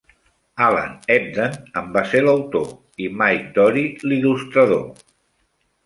Alan Hebden en va ser l'autor i Mike Dorey, l'il·lustrador.